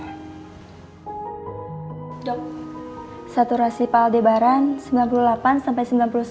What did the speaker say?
dok saturasi pal debaran sembilan puluh delapan sampai sembilan puluh sembilan